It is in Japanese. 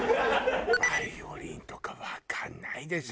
バイオリンとかわかんないでしょ？